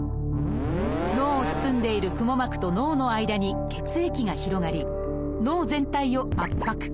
脳を包んでいる「くも膜」と脳の間に血液が広がり脳全体を圧迫。